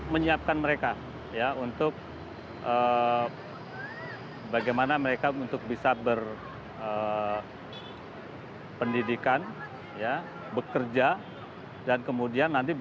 menyiapkan mereka ya untuk bagaimana mereka untuk bisa berpendidikan bekerja dan kemudian nanti